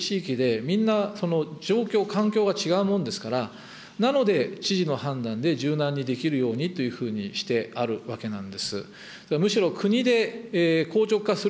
そうしますと、各地域各地域で、みんな、状況、環境が違うもんですから、なので知事の判断で柔軟にできるようにというふうにしてあるわけなんです。